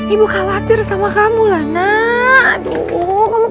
ibu khawatir sama kamu lah nak aduh